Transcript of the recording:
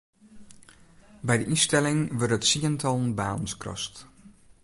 By de ynstelling wurde tsientallen banen skrast.